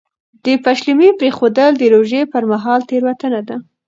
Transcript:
د پېشلمي پرېښودل د روژې پر مهال تېروتنه ده.